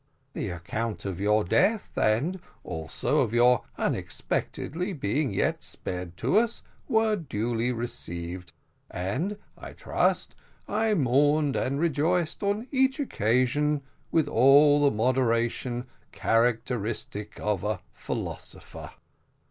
"The account of your death, and also of your unexpectedly being yet spared to us, were duly received, and I trust, I mourned and rejoiced on each occasion with all the moderation characteristic of a philosopher.